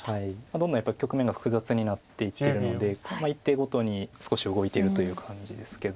どんどんやっぱり局面が複雑になっていってるので一手ごとに少し動いてるという感じですけど。